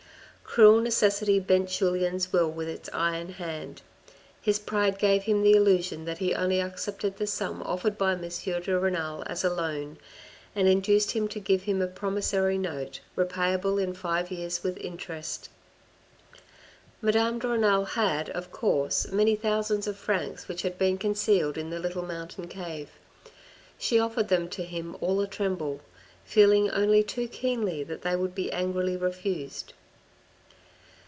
Cruel necessity bent Julien's will with its iron hand. His pride gave him the illusion that he only accepted the sum offered by M. de Renal as a loan, and induced him to give him a promissory note, repayable in five years with interest. Madame de Renal had, of course, many thousands of francs which had been concealed in the little mountain cave. She offered them to him all a tremble, feeling only too keenly that they would be angrily refused.